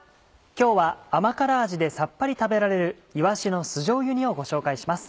今日は甘辛味でさっぱり食べられる「いわしの酢じょうゆ煮」をご紹介します。